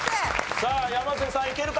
さあ山瀬さんいけるか？